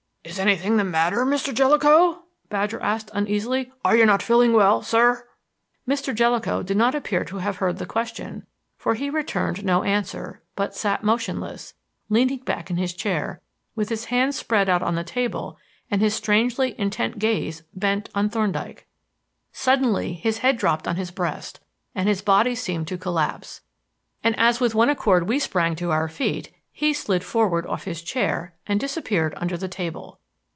"Is anything the matter, Mr. Jellicoe?" Badger asked uneasily. "Are you not feeling well, sir?" Mr. Jellicoe did not appear to have heard the question, for he returned no answer, but sat motionless, leaning back in his chair, with his hands spread out on the table and his strangely intent gaze bent on Thorndyke. Suddenly his head dropped on his breast and his body seemed to collapse; and as with one accord we sprang to our feet, he slid forward off his chair and disappeared under the table.